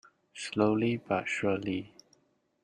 Slowly but surely.